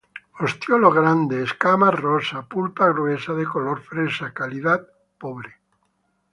Ostiolo grande, escamas rosa; pulpa gruesa, de color fresa; calidad pobre.